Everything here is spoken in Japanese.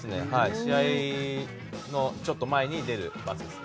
試合のちょっと前に出るバスが。